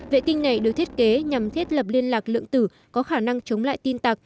vệ tinh này được thiết kế nhằm thiết lập liên lạc lượng tử có khả năng chống lại tin tặc